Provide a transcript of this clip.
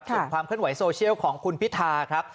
ส่วนความเคลื่อนไหวโซเชียลของคุณพิธาครับ